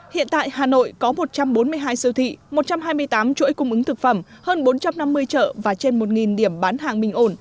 hiện tại hà nội có một trăm bốn mươi hai siêu thị một trăm hai mươi tám chuỗi cung ứng thực phẩm hơn bốn trăm năm mươi chợ và trên một điểm bán hàng bình ổn